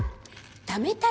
貯めたい！